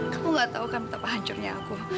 aku gak tau kan betapa hancurnya aku